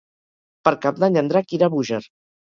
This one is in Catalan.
Per Cap d'Any en Drac irà a Búger.